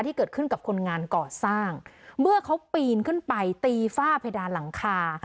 ที่เกิดขึ้นกับคนงานก่อสร้างเมื่อเขาปีนขึ้นไปตีฝ้าเพดานหลังคา